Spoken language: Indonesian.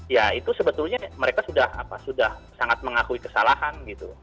ya itu sebetulnya mereka sudah sangat mengakui kesalahan gitu